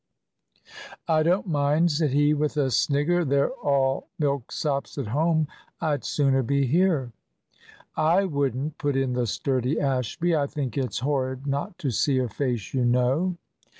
"I don't mind," said he, with a snigger; "they're all milksops at home. I'd sooner be here." "I wouldn't," put in the sturdy Ashby. "I think it's horrid not to see a face you know."